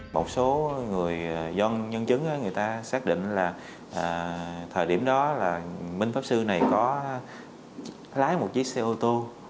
một số người do nhân chứng người ta xác định là thời điểm đó là minh pháp sư này có lái một chiếc xe ô tô